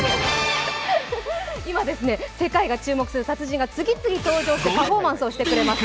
今、世界が注目する達人が次々と登場して、パフォーマンスをしてくれます。